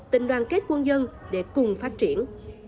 tình đoàn kết quân dân để cùng phát triển